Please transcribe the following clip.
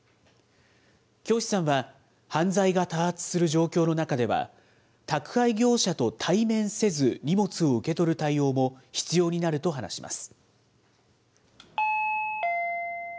京師さんは、犯罪が多発する状況の中では、宅配業者と対面せず、荷物を受け取る対応も必要になると話します。